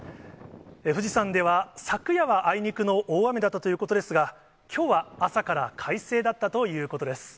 富士山では、昨夜はあいにくの大雨だったということですが、きょうは朝から快晴だったということです。